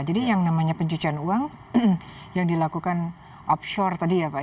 jadi yang namanya pencucian uang yang dilakukan offshore tadi ya pak